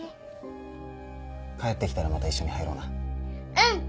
うん。